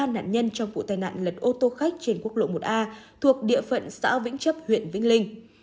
bệnh viện đã tiếp nhận một mươi ba nạn nhân trong vụ tai nạn lật ô tô khách trên quốc lộ một a thuộc địa phận xã vĩnh chấp huyện vĩnh linh